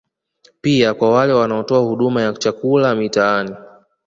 Pia kwa wale wanaotoa huduma ya chakula mitaani